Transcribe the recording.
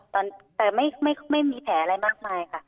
แต่ไม่มีแผลอะไรมากมายค่ะ